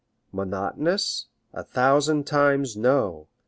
Monotonous? A thousand times no!